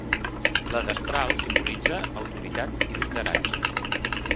La destral simbolitza autoritat i lideratge.